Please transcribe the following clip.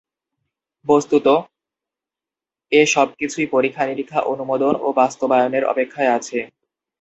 বস্ত্তত এ সবকিছুই পরীক্ষা-নিরীক্ষা, অনুমোদন ও বাস্তবায়নের অপেক্ষায় আছে।